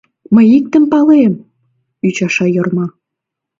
— Мый иктым палем! — ӱчаша Йорма.